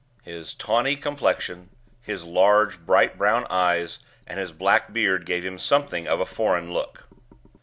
His tawny complexion, his large, bright brown eyes, and his black beard gave him something of a foreign look.